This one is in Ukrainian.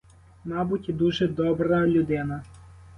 Мабуть, дуже добра людина.